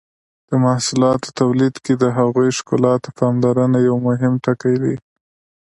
د محصولاتو تولید کې د هغوی ښکلا ته پاملرنه یو مهم ټکی دی.